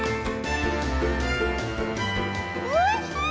おいしい！